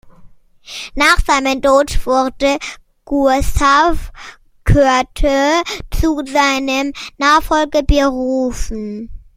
Nach seinem Tod wurde Gustav Körte zu seinem Nachfolger berufen.